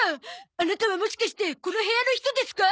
アナタはもしかしてこの部屋の人ですか？